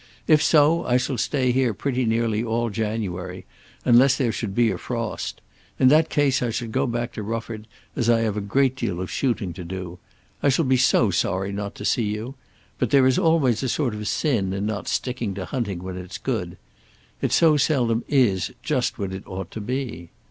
If so I shall stay here pretty nearly all January, unless there should be a frost. In that case I should go back to Rufford as I have a deal of shooting to do. I shall be so sorry not to see you; but there is always a sort of sin in not sticking to hunting when it's good. It so seldom is just what it ought to be.